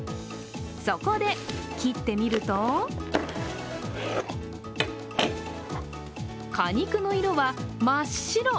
そこで、切ってみると果肉の色は真っ白。